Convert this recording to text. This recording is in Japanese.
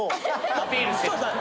・アピールしてんの？